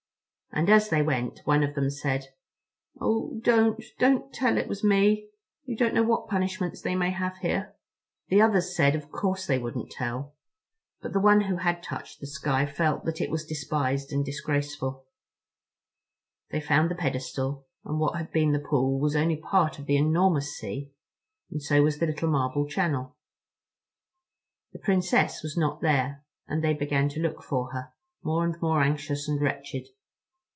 And as they went, one of them said, "Oh don't, don't tell it was me. You don't know what punishments they may have here." The others said of course they wouldn't tell. But the one who had touched the sky felt that it was despised and disgraced. They found the pedestal, but what had been the pool was only part of the enormous sea, and so was the little marble channel. The Princess was not there, and they began to look for her, more and more anxious and wretched.